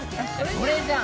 それじゃん！